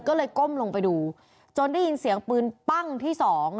ก็เลยก้มลงไปดูจนได้ยินเสียงปืนปั้งที่สอง